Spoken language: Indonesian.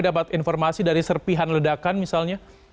dapat informasi dari serpihan ledakan misalnya